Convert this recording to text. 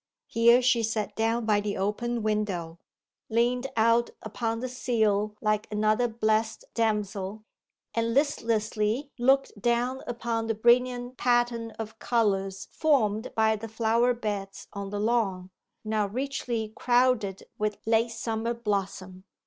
Here she sat down by the open window, leant out upon the sill like another Blessed Damozel, and listlessly looked down upon the brilliant pattern of colours formed by the flower beds on the lawn now richly crowded with late summer blossom.